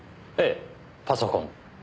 ええパソコン。